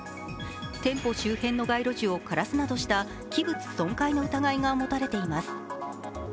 店舗周辺の街路樹を枯らすなどした器物損壊の疑いが持たれています。